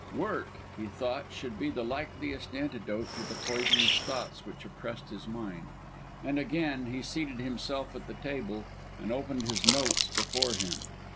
Work, he thought, should be the likeliest antidote to the poisonous thoughts which oppressed his mind, and again he seated himself at the table and opened his notes before him.